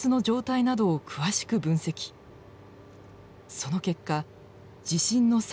その結果地震の際